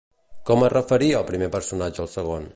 Com es referia el primer personatge al segon?